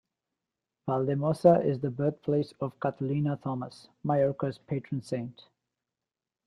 Valldemossa is the birthplace of Catalina Thomas, Mallorca's patron saint.